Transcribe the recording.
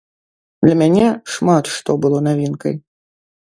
Для мяне шмат што было навінкай.